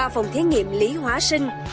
ba phòng thiết nghiệm lý hóa sinh